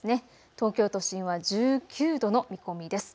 東京都心は１９度の見込みです。